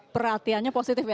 perhatiannya positif ya